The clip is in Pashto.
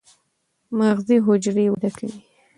مغزي حجرې وده کوي.